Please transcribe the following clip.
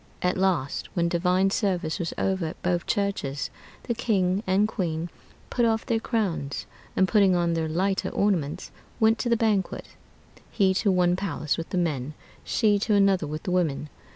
At last, when divine service was over at both churches, the king and queen put off their crowns, and putting on their lighter ornaments, went to the banquet, he to one palace with the men, she to another with the women.